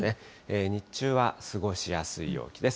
日中は過ごしやすい陽気です。